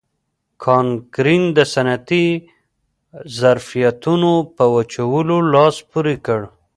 کانکرین د صنعتي ظرفیتونو په وچولو لاس پورې کړ.